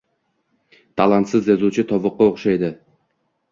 Talantsiz yozuvchi tovuqqa o’xshaydi.